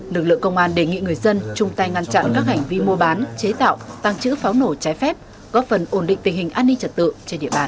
lực lượng công an đề nghị người dân chung tay ngăn chặn các hành vi mua bán chế tạo tăng trữ pháo nổ trái phép góp phần ổn định tình hình an ninh trật tự trên địa bàn